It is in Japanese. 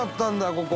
ここ。